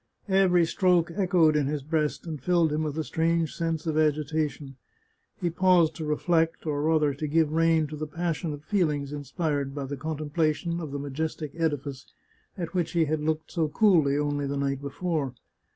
Every stroke echoed in his breast, and filled him with a strange sense of agitation. He paused to reflect, or rather to give rein to the passionate feelings inspired by the contemplation of the majestic edifice at which he had looked so coolly only the night before.